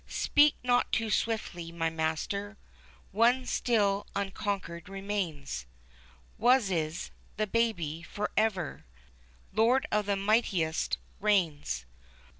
" Speak not too swiftly, my master, One still unconquered remains — Wasis, tlie Baby, forever Lord of the mightiest, reigns."